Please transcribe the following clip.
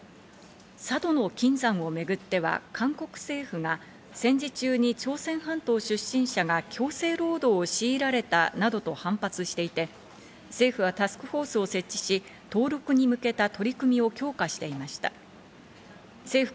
佐渡島の金山をめぐっては、韓国政府が戦時中に朝鮮半島出身者が強制労働を強いられたなどと反発していて、政府はタスクフォースを設置し、登録に向けた取り組みを強化していました。